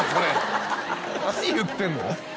何言ってんの？